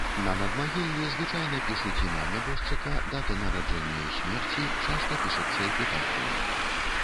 На надмагіллі звычайна пішуць імя нябожчыка, даты нараджэння і смерці, часта пішацца эпітафія.